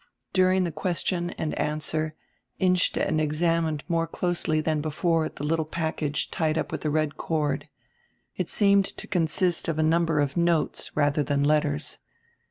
During tire question and answer Innstetten examined nrore closely than Wore the little package tied up with a red cord. It seenred to consist of a number of notes, rather than letters.